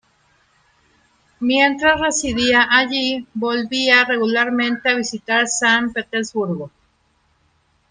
Mientras residía allí, volvía regularmente a visitar San Petersburgo.